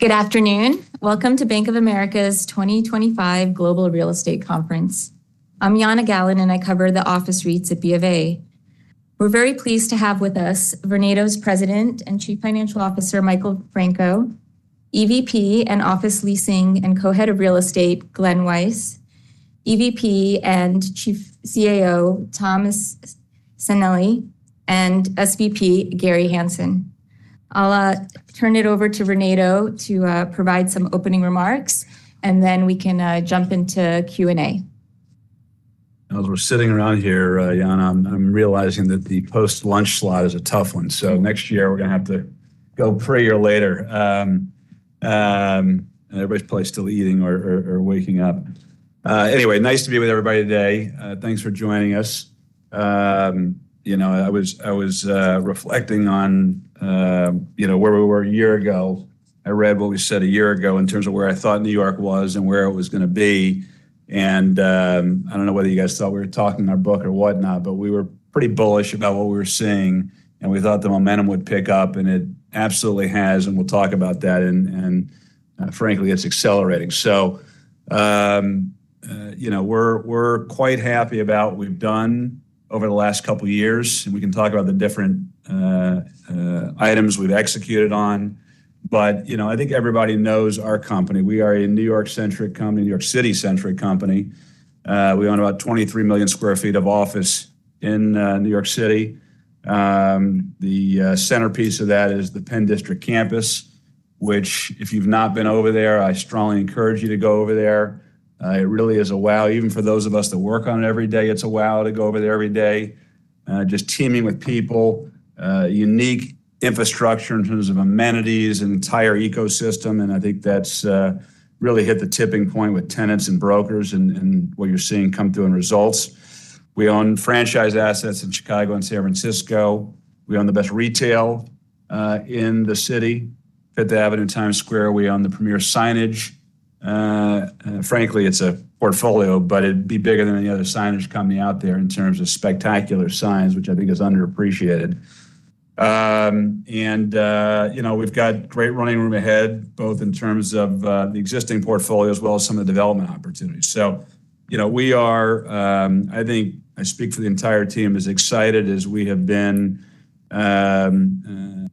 Good afternoon. Welcome to Bank of America's 2025 Global Real Estate Conference. I'm Jana Galan, and I cover the office REITs at BofA. We're very pleased to have with us Vornado's President and Chief Financial Officer, Michael Franco, EVP, Office Leasing and Co-Head of Real Estate, Glen Weiss, EVP and Chief CAO, Thomas Sanelli, and SVP, Gary Hansen. I'll turn it over to Vornado to provide some opening remarks, and then we can jump into Q&A. As we're sitting around here, Jana, I'm realizing that the post-lunch slot is a tough one, so next year, we're going to have to go pre or later, and everybody's probably still eating or waking up. Anyway, nice to be with everybody today. Thanks for joining us. You know, I was reflecting on where we were a year ago. I read what we said a year ago in terms of where I thought New York was and where it was going to be, and I don't know whether you guys thought we were talking in our book or whatnot, but we were pretty bullish about what we were seeing, and we thought the momentum would pick up, and it absolutely has, and we'll talk about that, and frankly, it's accelerating, so we're quite happy about what we've done over the last couple of years. We can talk about the different items we've executed on. But I think everybody knows our company. We are a New York-centric company, New York City-centric company. We own about 23 million sq ft of office in New York City. The centerpiece of that is the PENN District campus, which, if you've not been over there, I strongly encourage you to go over there. It really is a wow, even for those of us that work on it every day. It's a wow to go over there every day, just teeming with people, unique infrastructure in terms of amenities, an entire ecosystem. And I think that's really hit the tipping point with tenants and brokers and what you're seeing come through in results. We own franchise assets in Chicago and San Francisco. We own the best retail in the city, Fifth Avenue, Times Square. We own the premier signage. Frankly, it's a portfolio, but it'd be bigger than any other signage company out there in terms of spectacular signs, which I think is underappreciated. And we've got great running room ahead, both in terms of the existing portfolio as well as some of the development opportunities. So we are, I think, I speak for the entire team, as excited as we have been in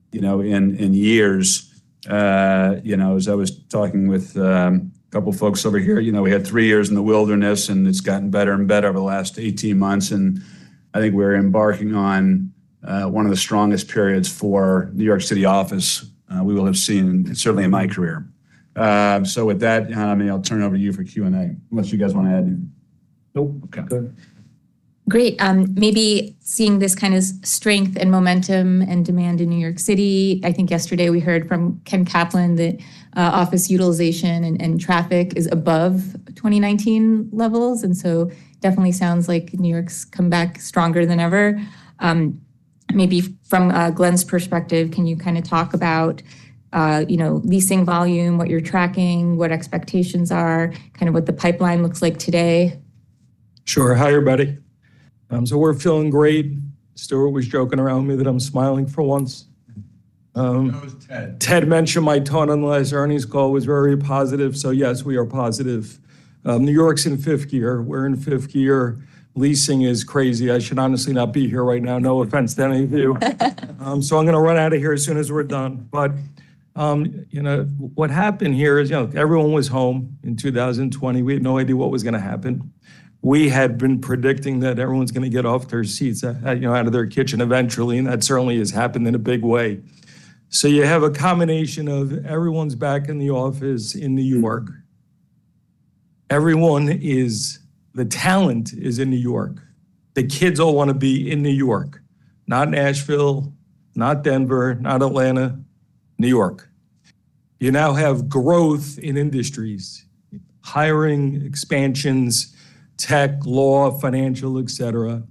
years. As I was talking with a couple of folks over here, we had three years in the wilderness, and it's gotten better and better over the last 18 months. And I think we're embarking on one of the strongest periods for New York City office we will have seen, certainly in my career. So with that, I'll turn it over to you for Q&A, unless you guys want to add anything. Great. Maybe seeing this kind of strength and momentum and demand in New York City. I think yesterday we heard from Ken Caplan that office utilization and traffic is above 2019 levels. And so definitely sounds like New York's come back stronger than ever. Maybe from Glen's perspective, can you kind of talk about leasing volume, what you're tracking, what expectations are, kind of what the pipeline looks like today? Sure. Hi, everybody. So we're feeling great. Stuart was joking around with me that I'm smiling for once. Ted mentioned my tone on last earnings call was very positive. So yes, we are positive. New York's in fifth gear. We're in fifth gear. Leasing is crazy. I should honestly not be here right now, no offense to any of you. So I'm going to run out of here as soon as we're done. But what happened here is everyone was home in 2020. We had no idea what was going to happen. We had been predicting that everyone's going to get off their seats out of their kitchen eventually. And that certainly has happened in a big way. So you have a combination of everyone's back in the office in New York. Everyone, the talent, is in New York. The kids all want to be in New York, not Nashville, not Denver, not Atlanta, New York. You now have growth in industries, hiring expansions, tech, law, financial, et cetera.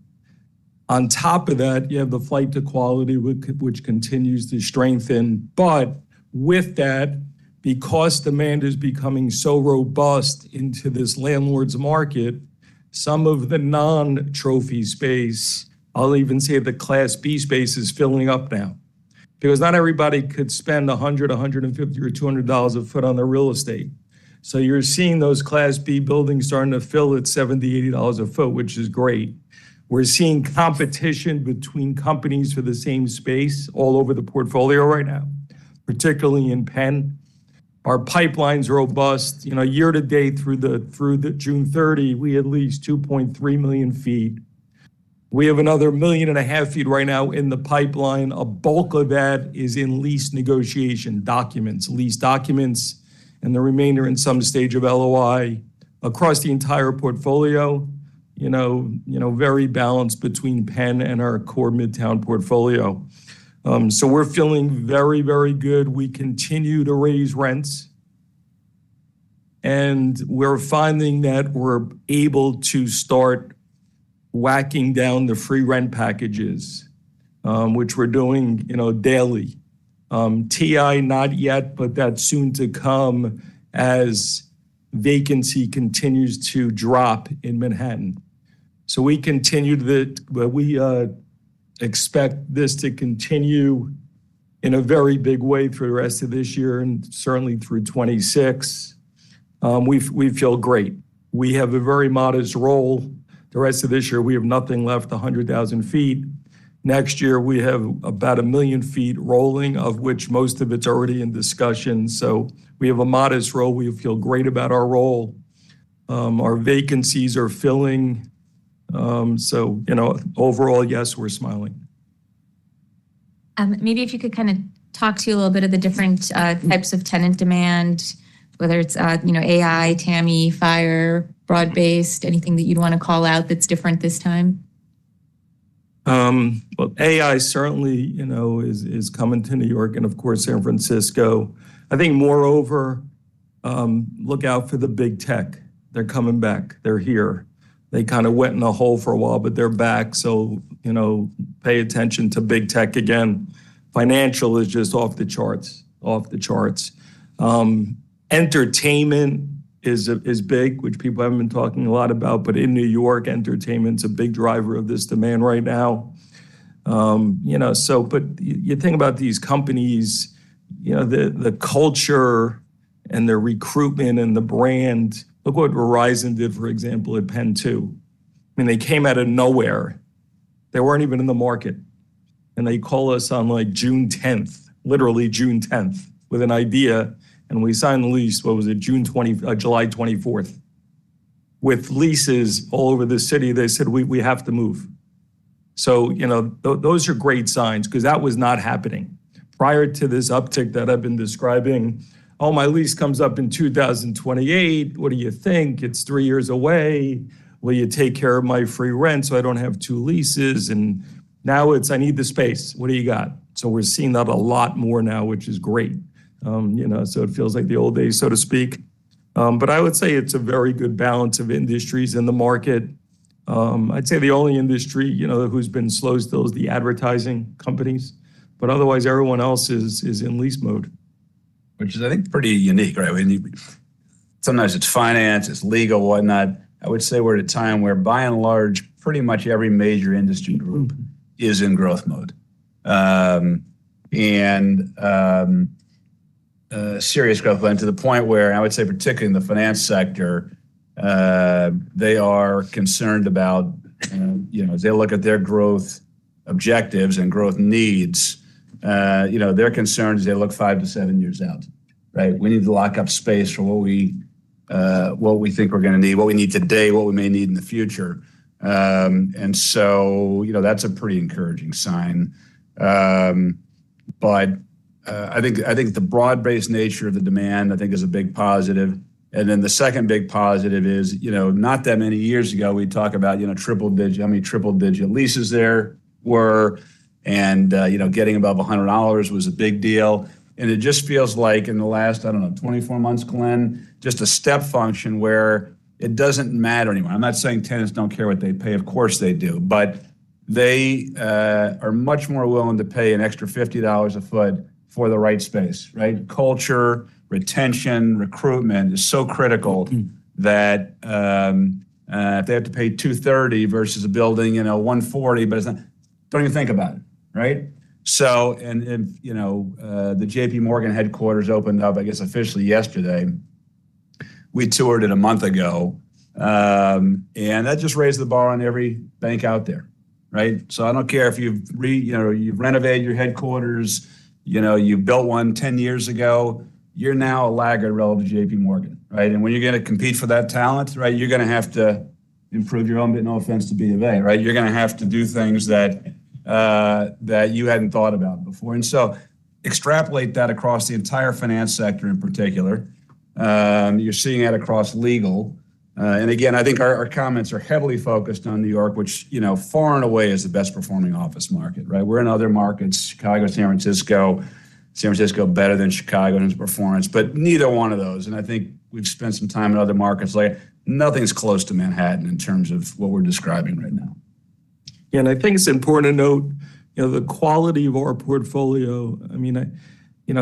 On top of that, you have the flight to quality, which continues to strengthen. But with that, because demand is becoming so robust into this landlord's market, some of the non-trophy space, I'll even say the Class B space, is filling up now. Because not everybody could spend $100, $150, or $200 a sq ft on their real estate. So you're seeing those Class B buildings starting to fill at $70, $80 a sq ft, which is great. We're seeing competition between companies for the same space all over the portfolio right now, particularly in PENN. Our pipeline's robust. Year-to-date, through June 30, we had leased 2.3 million sq ft. We have another 1.5 million sq ft right now in the pipeline. A bulk of that is in lease negotiation documents, lease documents, and the remainder in some stage of LOI across the entire portfolio, very balanced between PENN and our core Midtown portfolio. So we're feeling very, very good. We continue to raise rents. And we're finding that we're able to start whacking down the free rent packages, which we're doing daily. TI, not yet, but that's soon to come as vacancy continues to drop in Manhattan. So we expect this to continue in a very big way for the rest of this year and certainly through 2026. We feel great. We have a very modest role. The rest of this year, we have nothing left to 100,000 ft. Next year, we have about a million feet rolling, of which most of it's already in discussion. So we have a modest role. We feel great about our role. Our vacancies are filling. So overall, yes, we're smiling. Maybe if you could kind of talk to us a little bit about the different types of tenant demand, whether it's AI, TAMI, FIRE, broad-based, anything that you'd want to call out that's different this time. AI certainly is coming to New York and, of course, San Francisco. I think moreover, look out for the Big Tech. They're coming back. They're here. They kind of went in a hole for a while, but they're back. So pay attention to Big Tech again. Financial is just off the charts, off the charts. Entertainment is big, which people haven't been talking a lot about. In New York, entertainment's a big driver of this demand right now. You think about these companies, the culture and their recruitment and the brand. Look what Verizon did, for example, at PENN 2. I mean, they came out of nowhere. They weren't even in the market. And they called us on like June 10th, literally June 10th, with an idea. And we signed the lease, what was it, July 24th. With leases all over the city, they said, "We have to move." So those are great signs because that was not happening. Prior to this uptick that I've been describing, "Oh, my lease comes up in 2028. What do you think? It's three years away. Will you take care of my free rent so I don't have two leases?" And now it's, "I need the space. What do you got?" So we're seeing that a lot more now, which is great. So it feels like the old days, so to speak. But I would say it's a very good balance of industries in the market. I'd say the only industry who's been slow still is the advertising companies. But otherwise, everyone else is in lease mode. Which is, I think, pretty unique, right? Sometimes it's finance, it's legal, whatnot. I would say we're at a time where, by and large, pretty much every major industry group is in growth mode and serious growth mode to the point where, and I would say particularly in the finance sector, they are concerned about, as they look at their growth objectives and growth needs, their concerns as they look five to seven years out, right? We need to lock up space for what we think we're going to need, what we need today, what we may need in the future. And so that's a pretty encouraging sign. But I think the broad-based nature of the demand, I think, is a big positive. And then the second big positive is not that many years ago, we'd talk about how many triple-digit leases there were, and getting above $100 was a big deal. And it just feels like in the last, I don't know, 24 months, Glen, just a step function where it doesn't matter anymore. I'm not saying tenants don't care what they pay. Of course, they do. But they are much more willing to pay an extra $50 a foot for the right space, right? Culture, retention, recruitment is so critical that if they have to pay $230 versus a building $140, but it's not, don't even think about it, right? And the JPMorgan headquarters opened up, I guess, officially yesterday. We toured it a month ago. And that just raised the bar on every bank out there, right? So I don't care if you've renovated your headquarters, you built one 10 years ago, you're now a laggard relative to JPMorgan, right? And when you're going to compete for that talent, right, you're going to have to improve your own bit, no offense to BofA there, right? You're going to have to do things that you hadn't thought about before. And so extrapolate that across the entire finance sector in particular. You're seeing that across legal. And again, I think our comments are heavily focused on New York, which far and away is the best performing office market, right? We're in other markets, Chicago, San Francisco, San Francisco better than Chicago in its performance, but neither one of those. And I think we've spent some time in other markets. Nothing's close to Manhattan in terms of what we're describing right now. Yeah, and I think it's important to note the quality of our portfolio. I mean, I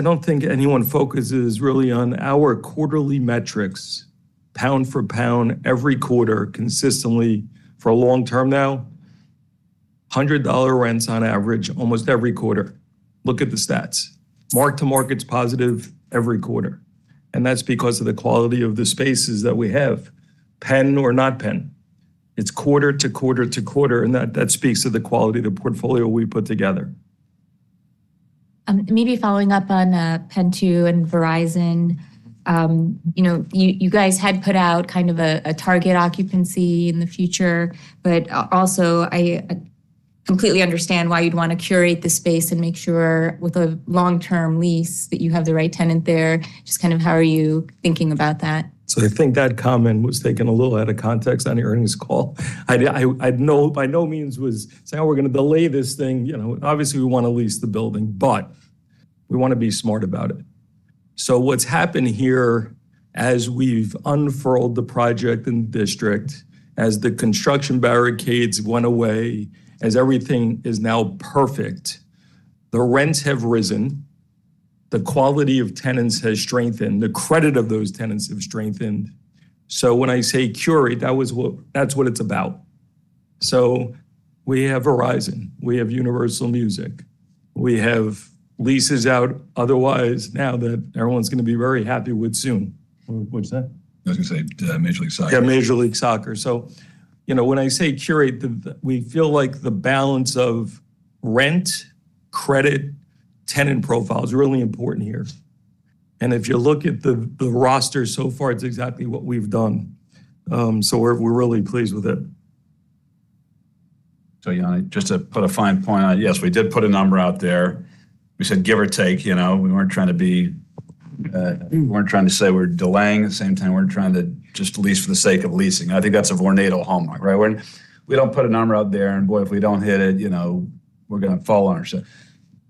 don't think anyone focuses really on our quarterly metrics, pound for pound every quarter consistently for a long time now. $100 rents on average almost every quarter. Look at the stats. Mark-to-market's positive every quarter, and that's because of the quality of the spaces that we have, PENN or not PENN. It's quarter-to-quarter-to-quarter, and that speaks to the quality of the portfolio we put together. Maybe following up on PENN 2 and Verizon, you guys had put out kind of a target occupancy in the future. But also, I completely understand why you'd want to curate the space and make sure with a long-term lease that you have the right tenant there. Just kind of how are you thinking about that? So I think that comment was taken a little out of context on the earnings call. By no means was saying, "Oh, we're going to delay this thing." Obviously, we want to lease the building, but we want to be smart about it. So what's happened here as we've unfurled the project in the district, as the construction barricades went away, as everything is now perfect, the rents have risen, the quality of tenants has strengthened, the credit of those tenants have strengthened. So when I say curate, that's what it's about. So we have Verizon. We have Universal Music. We have leases out otherwise now that everyone's going to be very happy with soon. What's that? I was going to say Major League Soccer. Yeah, Major League Soccer. So when I say curate, we feel like the balance of rent, credit, tenant profiles are really important here. And if you look at the roster so far, it's exactly what we've done. So we're really pleased with it. So just to put a fine point on it, yes, we did put a number out there. We said, "Give or take." We weren't trying to say we're delaying. At the same time, we weren't trying to just lease for the sake of leasing. I think that's a Vornado hallmark, right? We don't put a number out there, and boy, if we don't hit it, we're going to fall on ourselves.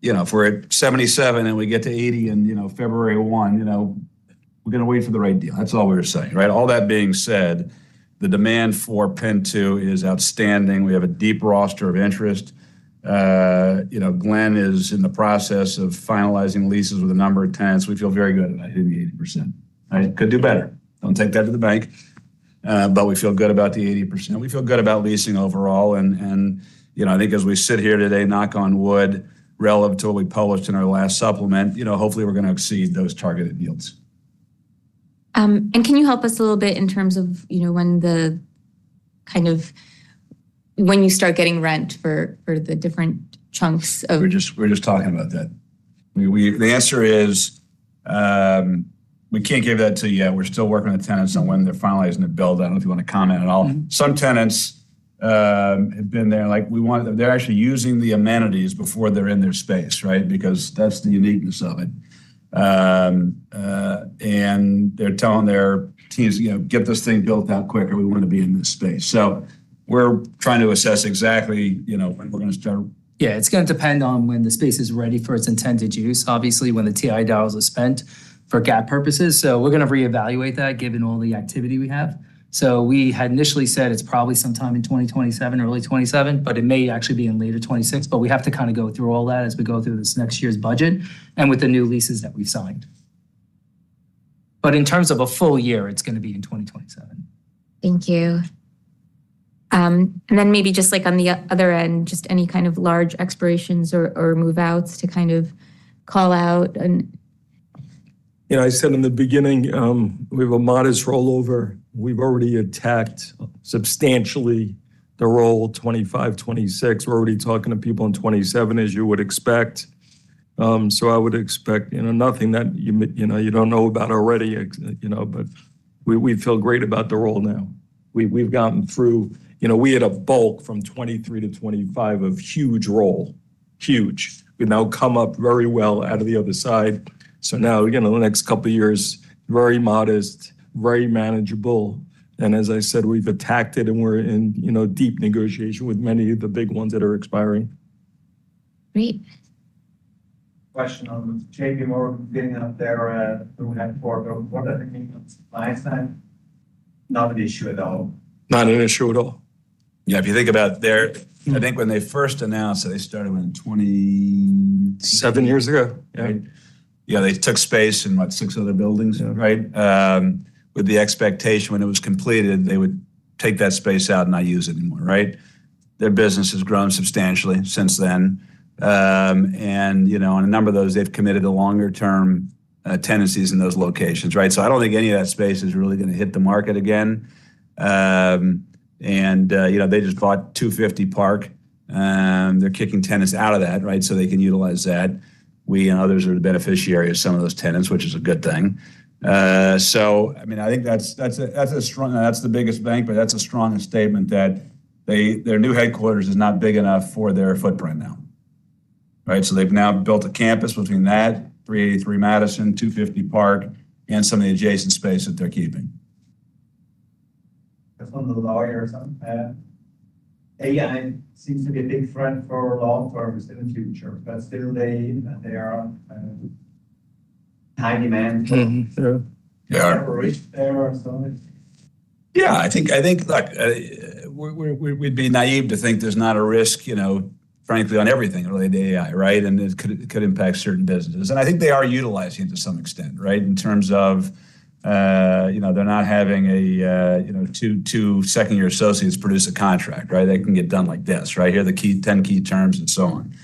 If we're at 77% and we get to 80% in February 1, we're going to wait for the right deal. That's all we're saying, right? All that being said, the demand for PENN 2 is outstanding. We have a deep roster of interest. Glen is in the process of finalizing leases with a number of tenants. We feel very good about hitting the 80%. Could do better. Don't take that to the bank. But we feel good about the 80%. We feel good about leasing overall. And I think as we sit here today, knock on wood, relatively published in our last supplement, hopefully, we're going to exceed those targeted yields. Can you help us a little bit in terms of when you start getting rent for the different chunks of? We're just talking about that. The answer is we can't give that to you. We're still working with tenants on when they're finalizing the build. I don't know if you want to comment at all. Some tenants have been there. They're actually using the amenities before they're in their space, right? Because that's the uniqueness of it. And they're telling their teams, "Get this thing built out quicker. We want to be in this space." So we're trying to assess exactly when we're going to start. Yeah. It's going to depend on when the space is ready for its intended use, obviously, when the TI dollars are spent for GAAP purposes. So we're going to reevaluate that given all the activity we have. So we had initially said it's probably sometime in 2027, early 2027, but it may actually be in later 2026. But we have to kind of go through all that as we go through this next year's budget and with the new leases that we've signed. But in terms of a full year, it's going to be in 2027. Thank you. And then maybe just like on the other end, just any kind of large expirations or move-outs to kind of call out? I said in the beginning, we have a modest rollover. We've already attacked substantially the roll 2025, 2026. We're already talking to people in 2027, as you would expect. So I would expect nothing that you don't know about already. But we feel great about the roll now. We've gotten through. We had a bulge from 2023 to 2025 of huge roll. Huge. We've now come up very well out of the other side. So now, in the next couple of years, very modest, very manageable. And as I said, we've attacked it, and we're in deep negotiation with many of the big ones that are expiring. Great. Question on JPMorgan getting up there at the headquarters. What does it mean on supply side? Not an issue at all. Not an issue at all. Yeah. If you think about there, I think when they first announced that they started when? 27 years ago. Yeah. Yeah. They took space in what, six other buildings, right? With the expectation when it was completed, they would take that space out and not use it anymore, right? Their business has grown substantially since then. And on a number of those, they've committed to longer-term tenancies in those locations, right? So I don't think any of that space is really going to hit the market again. And they just bought 250 Park. They're kicking tenants out of that, right? So they can utilize that. We and others are the beneficiaries of some of those tenants, which is a good thing. So I mean, I think that's the biggest bank, but that's a strong statement that their new headquarters is not big enough for their footprint now, right? So they've now built a campus between that, 383 Madison, 250 Park, and some of the adjacent space that they're keeping. That's on the lawyer's end. AI seems to be a big threat for law firms in the future. But still, they are high demand. True. They are rich there or something. Yeah. I think we'd be naive to think there's not a risk, frankly, on everything related to AI, right? And it could impact certain businesses. And I think they are utilizing it to some extent, right? In terms of they're not having two second-year associates produce a contract, right? They can get done like this, right? Here are the 10 key terms and so on.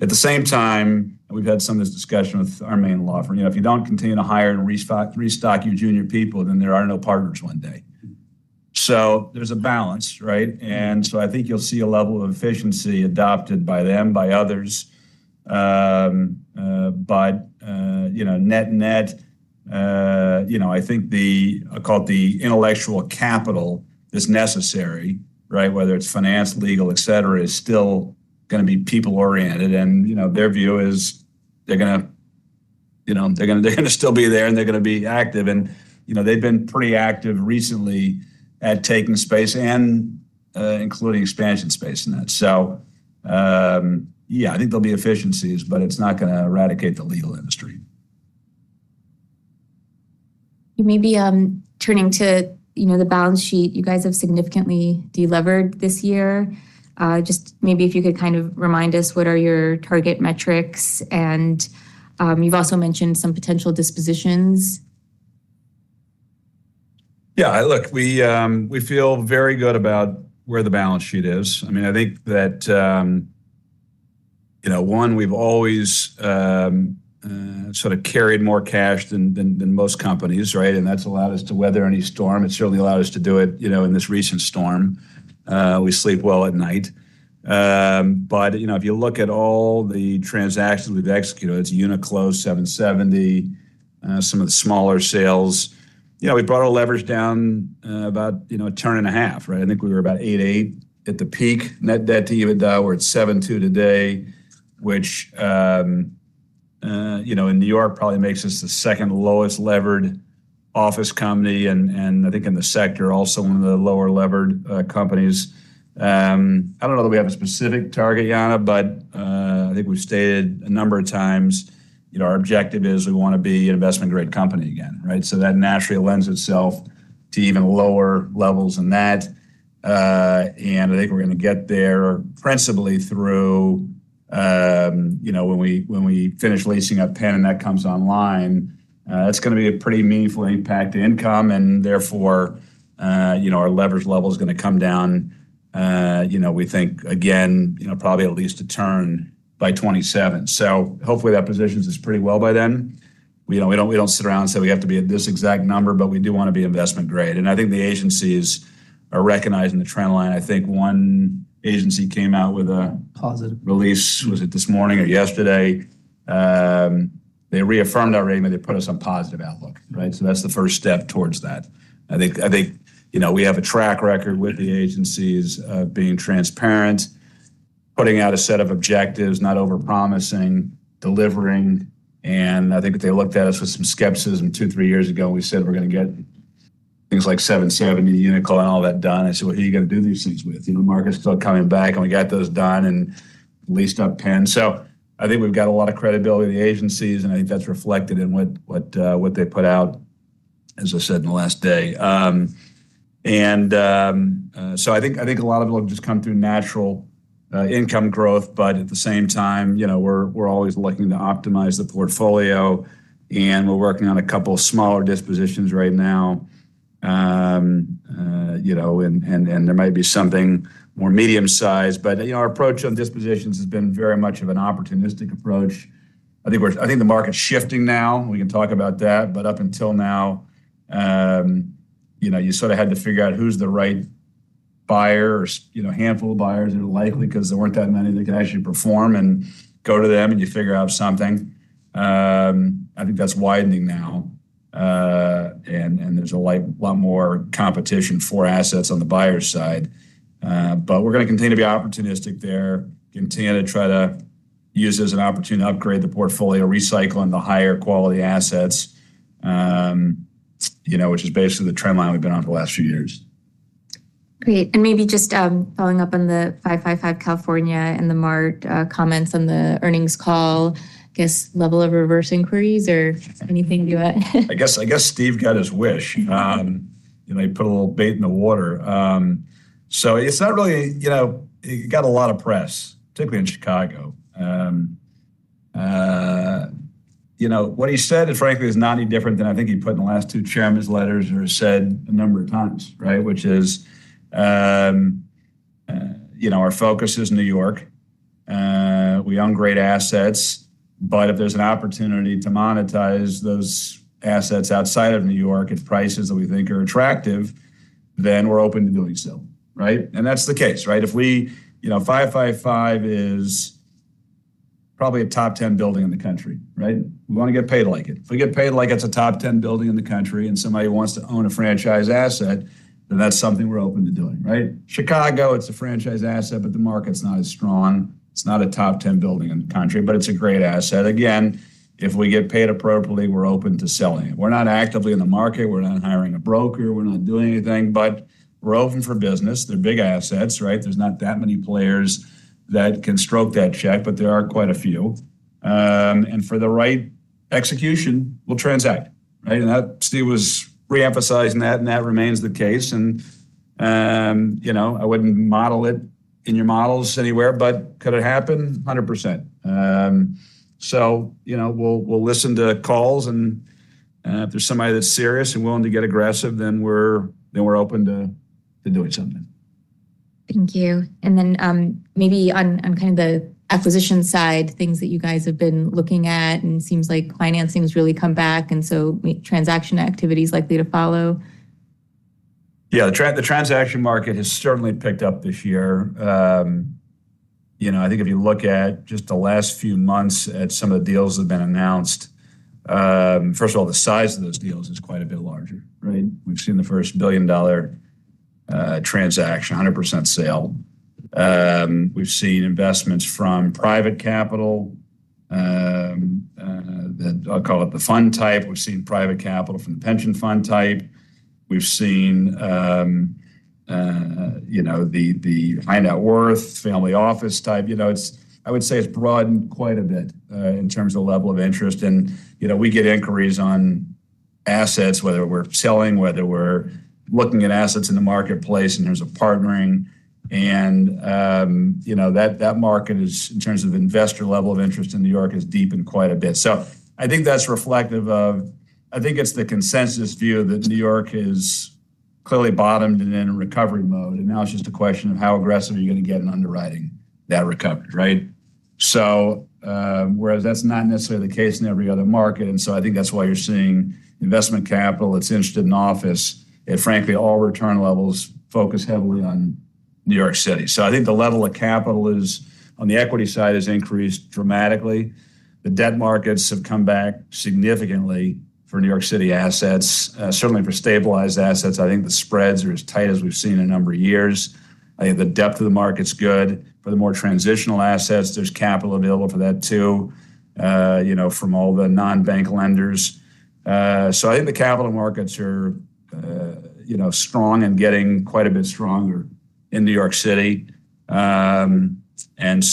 At the same time, we've had some of this discussion with our main law firm. If you don't continue to hire and restock your junior people, then there are no partners one day. So there's a balance, right? And so I think you'll see a level of efficiency adopted by them, by others, but net-net, I think I'll call it the intellectual capital that's necessary, right? Whether it's finance, legal, etc., is still going to be people-oriented. Their view is they're going to still be there and they're going to be active. They've been pretty active recently at taking space and including expansion space in that. Yeah, I think there'll be efficiencies, but it's not going to eradicate the legal industry. Maybe turning to the balance sheet, you guys have significantly delivered this year. Just maybe if you could kind of remind us, what are your target metrics, and you've also mentioned some potential dispositions. Yeah. Look, we feel very good about where the balance sheet is. I mean, I think that, one, we've always sort of carried more cash than most companies, right? And that's allowed us to weather any storm. It certainly allowed us to do it in this recent storm. We sleep well at night. But if you look at all the transactions we've executed, it's Uniqlo, 770, some of the smaller sales. We brought our leverage down about a turn and a half, right? I think we were about 8.8 at the peak net debt-to-EBITDA. We're at 7.2 today, which in New York probably makes us the second lowest levered office company. And I think in the sector, also one of the lower levered companies. I don't know that we have a specific target, Jana, but I think we've stated a number of times our objective is we want to be an investment-grade company again, right? So that naturally lends itself to even lower levels than that. And I think we're going to get there principally through when we finish leasing up PENN and that comes online. That's going to be a pretty meaningful impact to income. And therefore, our leverage level is going to come down, we think, again, probably at least a turn by 2027. So hopefully, that positions us pretty well by then. We don't sit around and say we have to be at this exact number, but we do want to be investment-grade. And I think the agencies are recognizing the trend line. I think one agency came out with a. Positive. Release. Was it this morning or yesterday? They reaffirmed our rating, but they put us on positive outlook, right? So that's the first step towards that. I think we have a track record with the agencies of being transparent, putting out a set of objectives, not over-promising, delivering. And I think they looked at us with some skepticism two, three years ago. We said we're going to get things like 770, Uniqlo, and all that done. I said, "Well, who are you going to do these things with?" Market's is still coming back, and we got those done and leased up PENN. So I think we've got a lot of credibility in the agencies, and I think that's reflected in what they put out, as I said, in the last day. And so I think a lot of it will just come through natural income growth. But at the same time, we're always looking to optimize the portfolio. And we're working on a couple of smaller dispositions right now. And there might be something more medium-sized. But our approach on dispositions has been very much of an opportunistic approach. I think the market's shifting now. We can talk about that. But up until now, you sort of had to figure out who's the right buyer or handful of buyers that are likely because there weren't that many that could actually perform and go to them, and you figure out something. I think that's widening now. And there's a lot more competition for assets on the buyer's side. But we're going to continue to be opportunistic there, continue to try to use this as an opportunity to upgrade the portfolio, recycle in the higher-quality assets, which is basically the trend line we've been on for the last few years. Great. And maybe just following up on the 555 California and the Mart comments on the earnings call, I guess, level of recent inquiries or anything to it? I guess Steve got his wish. He put a little bait in the water. So it's not really he got a lot of press, particularly in Chicago. What he said, frankly, is not any different than I think he put in the last two chairman's letters or said a number of times, right? Which is our focus is New York. We own great assets. But if there's an opportunity to monetize those assets outside of New York at prices that we think are attractive, then we're open to doing so, right? And that's the case, right? If we, 555 is probably a top 10 building in the country, right? We want to get paid like it. If we get paid like it's a top 10 building in the country and somebody wants to own a franchise asset, then that's something we're open to doing, right? Chicago, it's a franchise asset, but the market's not as strong. It's not a top 10 building in the country, but it's a great asset. Again, if we get paid appropriately, we're open to selling it. We're not actively in the market. We're not hiring a broker. We're not doing anything. But we're open for business. They're big assets, right? There's not that many players that can stroke that check, but there are quite a few. And for the right execution, we'll transact, right? And Steve was reemphasizing that, and that remains the case. And I wouldn't model it in your models anywhere, but could it happen? 100%. So we'll listen to calls. And if there's somebody that's serious and willing to get aggressive, then we're open to doing something. Thank you, and then maybe on kind of the acquisition side, things that you guys have been looking at, and it seems like financing has really come back, and so transaction activity is likely to follow. Yeah. The transaction market has certainly picked up this year. I think if you look at just the last few months at some of the deals that have been announced, first of all, the size of those deals is quite a bit larger, right? We've seen the first $1 billion transaction, 100% sale. We've seen investments from private capital. I'll call it the fund type. We've seen private capital from the pension fund type. We've seen the high net worth family office type. I would say it's broadened quite a bit in terms of level of interest. And we get inquiries on assets, whether we're selling, whether we're looking at assets in the marketplace in terms of partnering. And that market, in terms of investor level of interest in New York, is deepened quite a bit. So I think that's reflective of I think it's the consensus view that New York has clearly bottomed and in a recovery mode. And now it's just a question of how aggressive are you going to get in underwriting that recovery, right? So whereas that's not necessarily the case in every other market. And so I think that's why you're seeing investment capital that's interested in office, and frankly, all return levels focus heavily on New York City. So I think the level of capital on the equity side has increased dramatically. The debt markets have come back significantly for New York City assets, certainly for stabilized assets. I think the spreads are as tight as we've seen in a number of years. I think the depth of the market's good. For the more transitional assets, there's capital available for that too from all the non-bank lenders. I think the capital markets are strong and getting quite a bit stronger in New York City. I think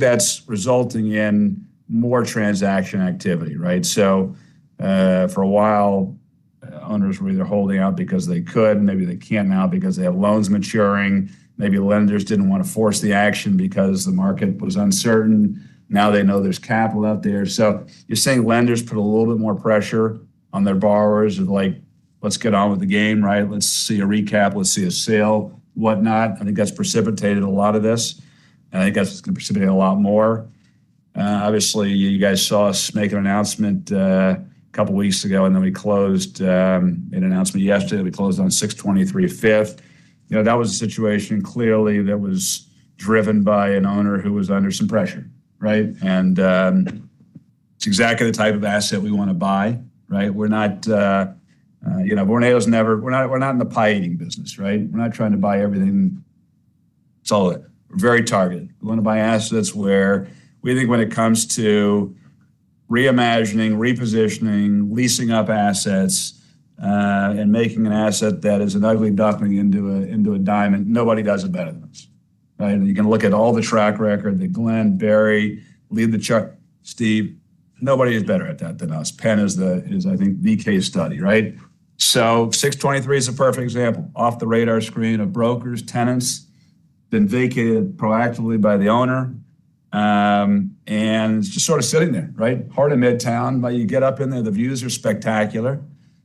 that's resulting in more transaction activity, right? For a while, owners were either holding out because they could, and maybe they can't now because they have loans maturing. Maybe lenders didn't want to force the action because the market was uncertain. Now they know there's capital out there. You're saying lenders put a little bit more pressure on their borrowers of like, "Let's get on with the game," right? "Let's see a recap. Let's see a sale," whatnot. I think that's precipitated a lot of this. I think that's going to precipitate a lot more. Obviously, you guys saw us make an announcement a couple of weeks ago, and then we made an announcement yesterday that we closed on 623 Fifth Avenue. That was a situation clearly that was driven by an owner who was under some pressure, right? And it's exactly the type of asset we want to buy, right? We're not Vornado's never. We're not in the pie-eating business, right? We're not trying to buy everything. That's it. We're very targeted. We want to buy assets where we think when it comes to reimagining, repositioning, leasing up assets, and making an asset that is an ugly duckling into a diamond, nobody does it better than us, right? And you can look at all the track record that Glen, Barry, Chuck, Steve, nobody is better at that than us. PENN is, I think, the case study, right? So 623 is a perfect example. Off the radar screen of brokers, tenants, been vacated proactively by the owner. And it's just sort of sitting there, right? Heart of Midtown. But you get up in there, the views are spectacular.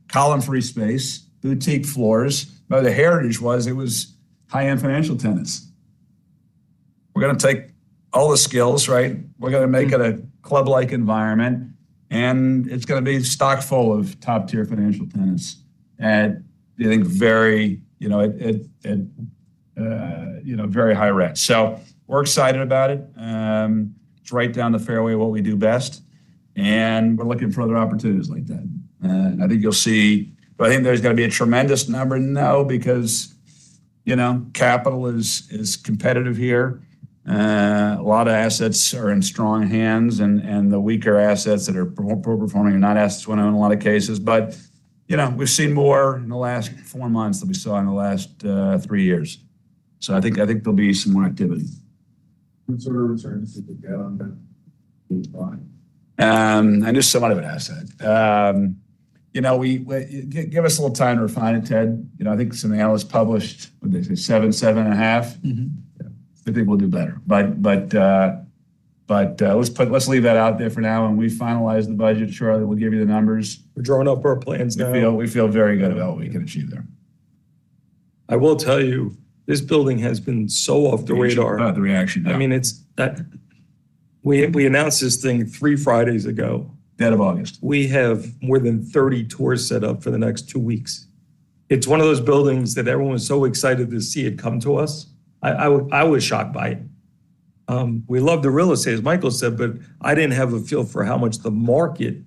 Column-free space, boutique floors. But the heritage was it was high-end financial tenants. We're going to take all the skills, right? We're going to make it a club-like environment. And it's going to be chock full of top-tier financial tenants at, I think, very high rates. So we're excited about it. It's right down the fairway of what we do best. And we're looking for other opportunities like that. I think you'll see. But I think there's going to be a tremendous number now because capital is competitive here. A lot of assets are in strong hands, and the weaker assets that are poorly performing are not assets we want to own in a lot of cases. But we've seen more in the last four months than we saw in the last three years. I think there'll be some more activity. What sort of return do you think we get on that? I knew somebody would ask that. Give us a little time to refine it, Ted. I think something else published, what did they say? Seven, seven and a half? Mm-hmm. Yeah. I think we'll do better, but let's leave that out there for now. When we finalize the budget shortly, we'll give you the numbers. We're drawing up our plans now. We feel very good about what we can achieve there. I will tell you, this building has been so off the radar. The reaction to that. I mean, we announced this thing three Fridays ago. End of August. We have more than 30 tours set up for the next two weeks. It's one of those buildings that everyone was so excited to see it come to us. I was shocked by it. We love the real estate, as Michael said, but I didn't have a feel for how much the market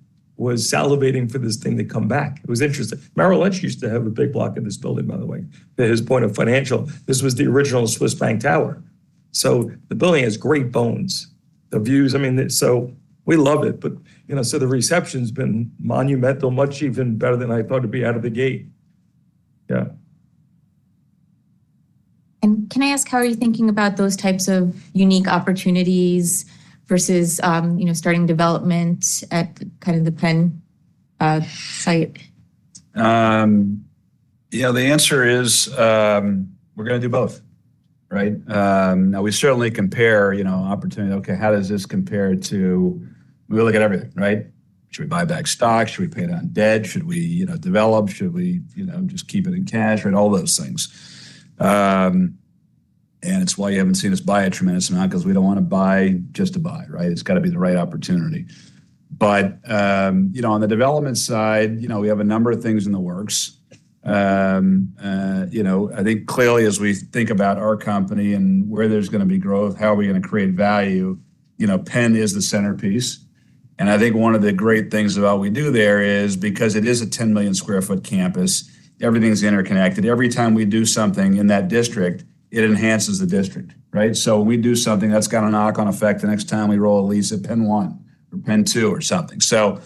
was salivating for this thing to come back. It was interesting. Merrill Lynch used to have a big block in this building, by the way, to his point of financial. This was the original Swiss Bank Tower. So the building has great bones. The views, I mean, so we love it. But so the reception's been monumental, much even better than I thought it'd be out of the gate. Yeah. Can I ask how are you thinking about those types of unique opportunities versus starting development at kind of the PENN site? Yeah. The answer is we're going to do both, right? Now, we certainly compare opportunity. Okay, how does this compare to we look at everything, right? Should we buy back stock? Should we pay down debt? Should we develop? Should we just keep it in cash? All those things, and it's why you haven't seen us buy a tremendous amount because we don't want to buy just to buy, right? It's got to be the right opportunity, but on the development side, we have a number of things in the works. I think clearly, as we think about our company and where there's going to be growth, how are we going to create value? PENN is the centerpiece, and I think one of the great things about what we do there is because it is a 10 million sq ft campus, everything's interconnected. Every time we do something in that district, it enhances the district, right? So when we do something, that's got a knock-on effect the next time we roll a lease at PENN 1 or PENN 2 or something. So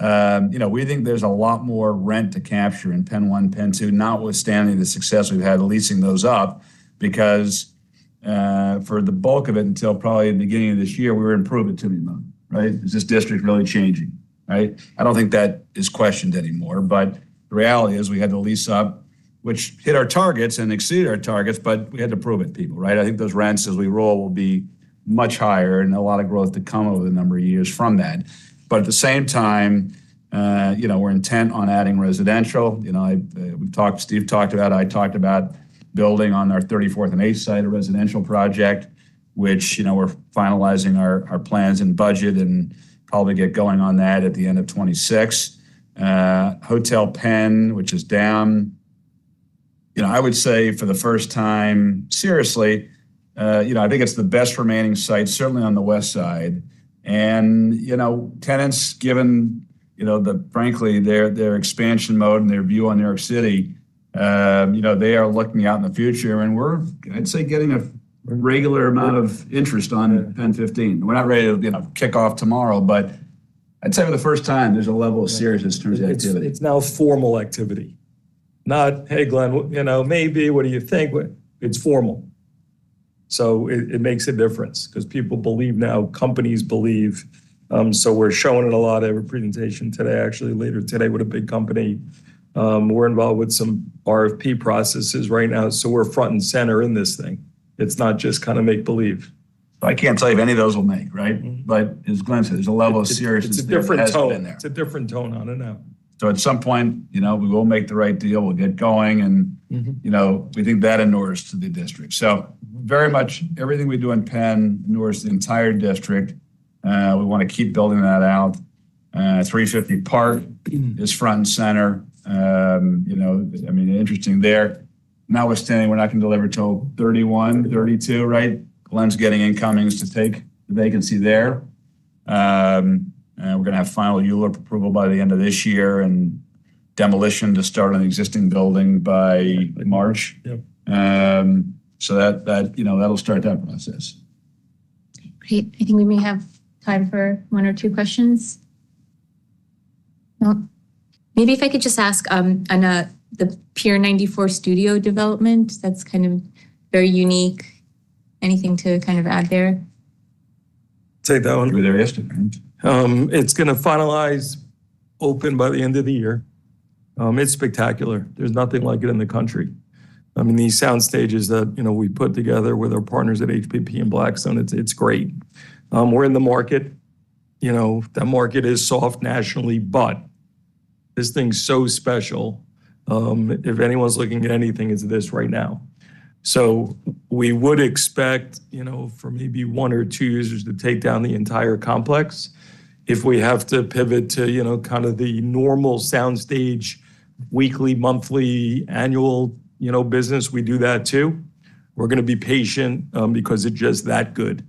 we think there's a lot more rent to capture in PENN 1, PENN 2, notwithstanding the success we've had leasing those up because for the bulk of it until probably the beginning of this year, we were in prove-it-to-me-mode, right? Is this district really changing, right? I don't think that is questioned anymore. But the reality is we had to lease up, which hit our targets and exceeded our targets, but we had to prove it to people, right? I think those rents as we roll will be much higher and a lot of growth to come over the number of years from that. At the same time, we're intent on adding residential. We've talked to Steve about it. I talked about building on our 34th and 8th site of residential project, which we're finalizing our plans and budget and probably get going on that at the end of 2026. Hotel Pennsylvania, which is down. I would say for the first time, seriously, I think it's the best remaining site, certainly on the west side. Tenants, given that frankly, their expansion mode and their view on New York City, they are looking out in the future, and we're, I'd say, getting a regular amount of interest on PENN 15. We're not ready to kick off tomorrow, but I'd say for the first time, there's a level of seriousness towards the activity. It's now formal activity. Not, "Hey, Glen, maybe. What do you think?" It's formal. So it makes a difference because people believe now, companies believe. So we're showing it a lot at our presentation today, actually, later today with a big company. We're involved with some RFP processes right now. So we're front and center in this thing. It's not just kind of make-believe. I can't tell you if any of those will make, right? But as Glen said, there's a level of seriousness. It's a different tone in there. It's a different tone on it now. So at some point, we will make the right deal. We'll get going. And we think that endures to the district. So very much everything we do in PENN endures the entire district. We want to keep building that out. 350 Park is front and center. I mean, interesting there. Notwithstanding, we're not going to deliver till 2031, 2032, right? Glen's getting incomings to take the vacancy there. We're going to have final ULURP approval by the end of this year and demolition to start on the existing building by March. So that'll start that process. Great. I think we may have time for one or two questions. Maybe if I could just ask on the Pier 94 Studio development, that's kind of very unique. Anything to kind of add there? Take that one. It's going to finalize open by the end of the year. It's spectacular. There's nothing like it in the country. I mean, these sound stages that we put together with our partners at HPP and Blackstone, it's great. We're in the market. That market is soft nationally, but this thing's so special. If anyone's looking at anything, it's this right now. So we would expect for maybe one or two years to take down the entire complex. If we have to pivot to kind of the normal sound stage, weekly, monthly, annual business, we do that too. We're going to be patient because it's just that good.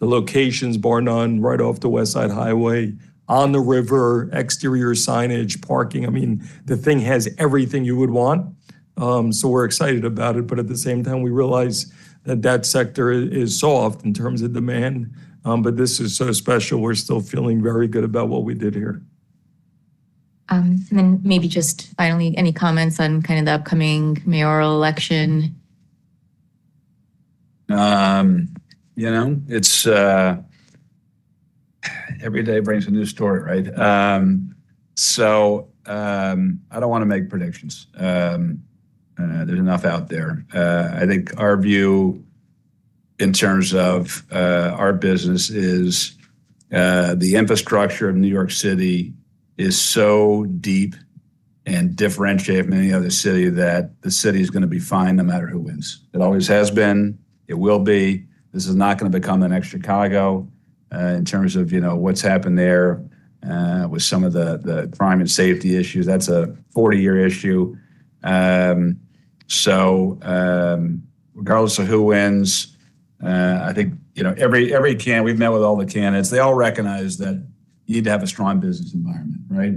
The location's fronted on right off the West Side Highway, on the river, exterior signage, parking. I mean, the thing has everything you would want. So we're excited about it. But at the same time, we realize that that sector is so off in terms of demand. But this is so special. We're still feeling very good about what we did here. Then maybe just finally, any comments on kind of the upcoming mayoral election? Every day brings a new story, right? So I don't want to make predictions. There's enough out there. I think our view in terms of our business is the infrastructure of New York City is so deep and differentiated from any other city that the city is going to be fine no matter who wins. It always has been. It will be. This is not going to become the next Chicago in terms of what's happened there with some of the crime and safety issues. That's a 40-year issue. So regardless of who wins, I think every candidate we've met with all the candidates, they all recognize that you need to have a strong business environment, right?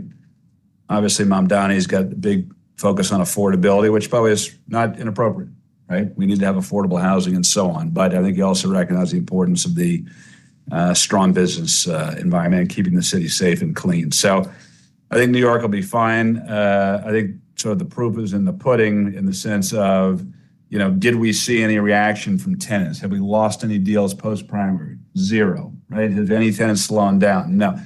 Obviously, Mamdani's got a big focus on affordability, which probably is not inappropriate, right? We need to have affordable housing and so on. But I think he also recognized the importance of the strong business environment and keeping the city safe and clean. So I think New York will be fine. I think sort of the proof is in the pudding in the sense of, did we see any reaction from tenants? Have we lost any deals post-primary? Zero, right? Have any tenants slowed down? No.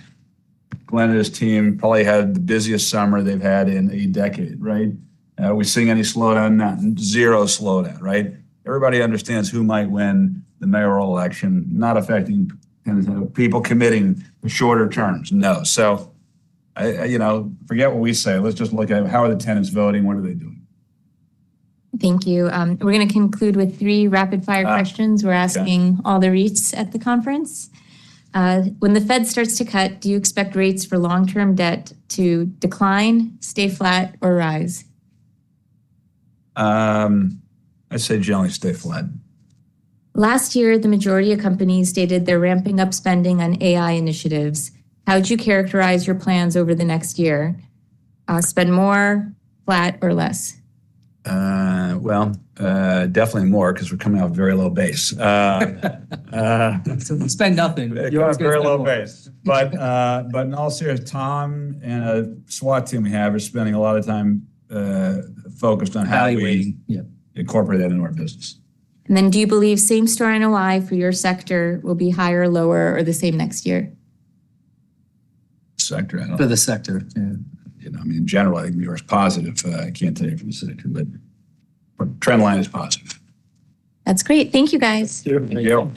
Glen and his team probably had the busiest summer they've had in a decade, right? Are we seeing any slowdown? Zero slowdown, right? Everybody understands who might win the mayoral election, not affecting people committing the shorter terms, no. So forget what we say. Let's just look at how are the tenants voting? What are they doing? Thank you. We're going to conclude with three rapid-fire questions. We're asking all the REITs at the conference. When the Fed starts to cut, do you expect rates for long-term debt to decline, stay flat, or rise? I'd say generally stay flat. Last year, the majority of companies stated they're ramping up spending on AI initiatives. How would you characterize your plans over the next year? Spend more, flat, or less? Definitely more because we're coming off a very low base. We spend nothing. You're off a very low base. But in all seriousness, we have Tom and his team we have is spending a lot of time focused on how do we incorporate that into our business. Then do you believe same-store NOI for your sector will be higher, lower, or the same next year? Sector, I don't know. For the sector. I mean, in general, I think New York is positive. I can't tell you for the sector, but trend line is positive. That's great. Thank you, guys. Thank you.